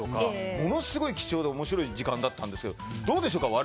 ものすごい貴重で面白い時間だったんですけどどうでしょうか。